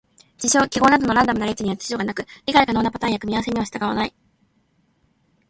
事象・記号などのランダムな列には秩序がなく、理解可能なパターンや組み合わせに従わない。